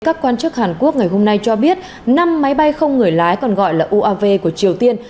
các quan chức hàn quốc ngày hôm nay cho biết năm máy bay không người lái còn gọi là uav của triều tiên